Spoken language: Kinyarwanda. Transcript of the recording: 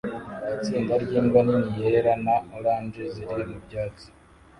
Itsinda ryimbwa nini yera na orange ziri mubyatsi